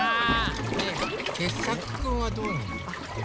ねえけっさくくんはどうなの？